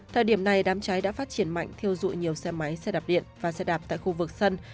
thời điểm này đám cháy đã phát triển mạnh thiêu dụi nhiều xe máy xe đạp điện và xe đạp tại khu vực sân